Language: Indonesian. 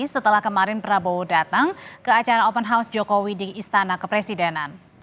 setelah kemarin prabowo datang ke acara open house jokowi di istana kepresidenan